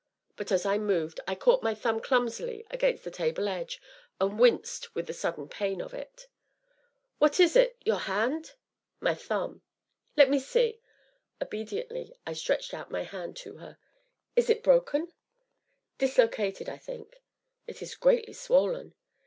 But, as I moved, I caught my thumb clumsily against the table edge, and winced with the sudden pain of it. "What is it your hand?" "My thumb." "Let me see?" Obediently I stretched out my hand to her. "Is it broken?" "Dislocated, I think." "It is greatly swollen!"